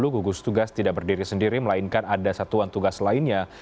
gugus tugas tidak berdiri sendiri melainkan ada satuan tugas lainnya